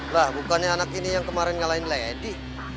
lah bukannya anak ini yang kemarin ngalahin lady